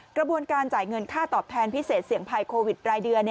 กระบวนการจ่ายเงินค่าตอบแทนพิเศษเสี่ยงภัยโควิดรายเดือน